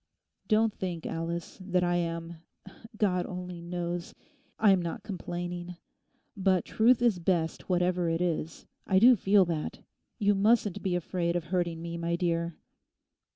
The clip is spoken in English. Don't think, Alice, that I am...God only knows—I'm not complaining. But truth is best whatever it is. I do feel that. You mustn't be afraid of hurting me, my dear.